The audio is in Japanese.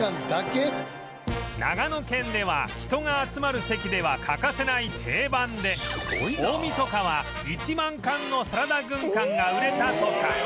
長野県では人が集まる席では欠かせない定番で大みそかは１万貫のサラダ軍艦が売れたとか